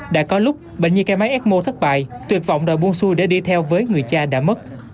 đã có lúc bệnh như cái máy ecmo thất bại tuyệt vọng đòi buông xuôi để đi theo với người cha đã mất